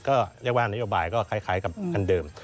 ก็เรียกว่านโยบายก็คล้ายกับอันเดิม